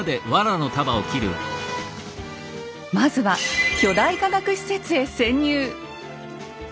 まずは巨大科学施設へ潜入！